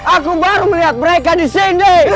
aku baru melihat mereka disini